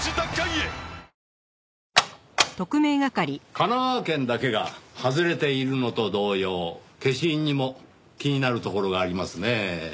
神奈川県だけが外れているのと同様消印にも気になるところがありますねぇ。